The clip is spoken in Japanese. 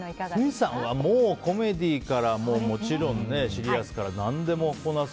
堤さんはコメディーからもちろんシリアスから何でもこなす。